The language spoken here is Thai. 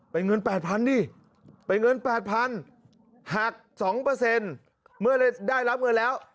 เป็นเงินแปดพันดิเป็นเงินแปดพันหักสองเปอร์เซ็นต์เมื่อได้รับเงินแล้ว